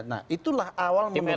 nah itulah awal menurut saya